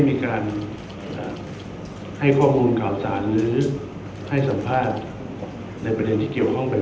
ชิกให้ข้อมูลกลางรั้งหรือสัมภาษณ์หรือประแทนที่เกี่ยวของไป